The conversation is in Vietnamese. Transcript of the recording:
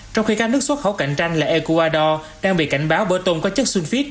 trong khi các nước xuất khẩu cạnh tranh là ecuador đang bị cảnh báo bỡ tôm có chất xuyên phiết